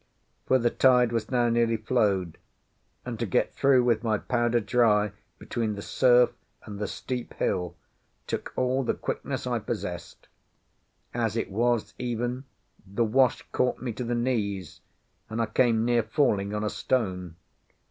For the tide was now nearly flowed; and to get through with my powder dry between the surf and the steep hill, took all the quickness I possessed. As it was, even, the wash caught me to the knees, and I came near falling on a stone.